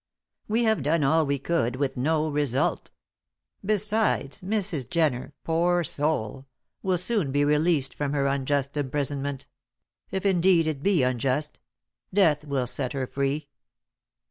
We have done all we could with no result. Besides, Mrs. Jenner poor soul will soon be released from her unjust imprisonment if, indeed, it be unjust; death will set her free."